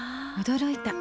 驚いた。